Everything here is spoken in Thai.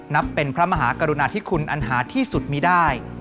นับเป็นพระมหากรุณาธิคุณอันหาที่สุดมีได้